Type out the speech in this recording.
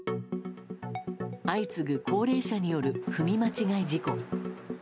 相次ぐ高齢者による踏み間違い事故。